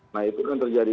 nah itu kan terjadi